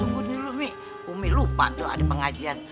tunggu dulu mi umi lupa doa di pengajian